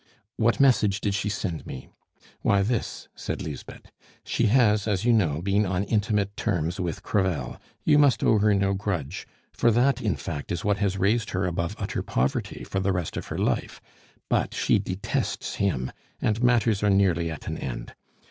"What message did she send me?" "Why, this," said Lisbeth. "She has, as you know, been on intimate terms with Crevel. You must owe her no grudge, for that, in fact, is what has raised her above utter poverty for the rest of her life; but she detests him, and matters are nearly at an end.